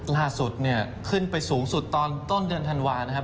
ล่าสุดเนี่ยขึ้นไปสูงสุดตอนต้นเดือนธันวานะครับ